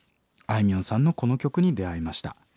いみょんさんのこの曲に出会いました。